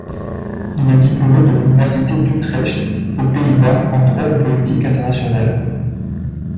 Il est diplômé de l’université d'Utrecht aux Pays-Bas en droit et politique internationale.